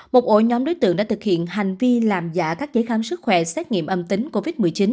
một ổ nhóm đối tượng đã thực hiện hành vi làm giả các giấy khám sức khỏe xét nghiệm âm tính covid một mươi chín